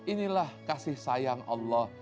inilah kasih sayang allah